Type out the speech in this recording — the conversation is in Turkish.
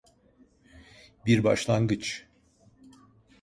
Bir başlangıç.